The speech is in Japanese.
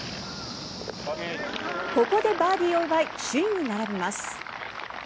ここでバーディーを奪い首位に並びます。